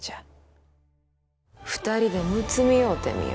２人でむつみ合うてみよ。